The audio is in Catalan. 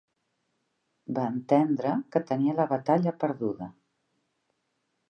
Va entendre que tenia la batalla perduda.